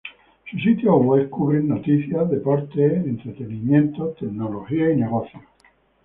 Sus sitios web cubren noticias, deportes, entretenimiento, tecnología y negocios.